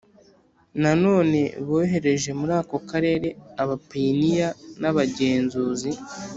Nanone bohereje muri ako karere abapayiniya n abagenzuzi